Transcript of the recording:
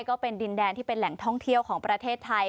ก็เป็นดินแดนที่เป็นแหล่งท่องเที่ยวของประเทศไทย